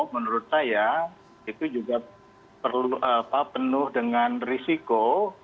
menurut saya itu juga perlu penuh dengan risiko